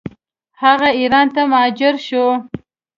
هغه ایران ته مهاجر شو.